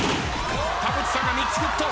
田渕さんが３つゲット。